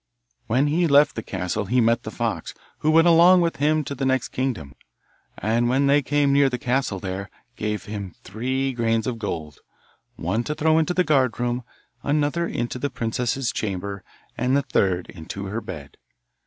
When he left the castle he met the fox, who went along with him to the next kingdom, and when they came near the castle there, gave him three grains of gold one to throw into the guard room, another into the princess's chamber, and the third into her bed.